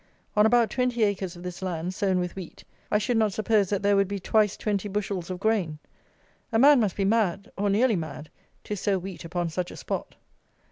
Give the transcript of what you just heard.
On about twenty acres of this land, sown with wheat, I should not suppose that there would be twice twenty bushels of grain! A man must be mad, or nearly mad, to sow wheat upon such a spot.